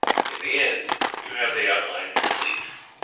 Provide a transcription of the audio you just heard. In the end, you have the outline complete.